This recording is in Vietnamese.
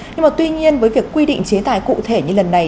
nhưng mà tuy nhiên với việc quy định chế tài cụ thể như lần này